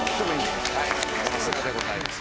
さすがでございます。